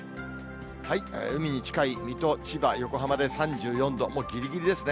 海に近い水戸、千葉、横浜で３４度、もうぎりぎりですね。